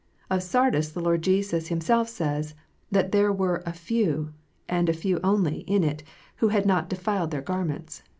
Of Sardis the Lord Jesus Himself says, that there were " a few," a few only, in it, who had not "defiled their garments."